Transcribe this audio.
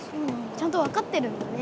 ちゃんと分かってるんだね。